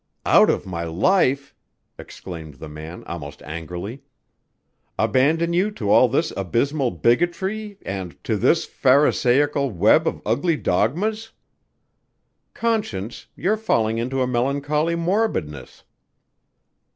"Out of my life!" exclaimed the man almost angrily. "Abandon you to all this abysmal bigotry and to this pharisaical web of ugly dogmas! Conscience, you're falling into a melancholy morbidness."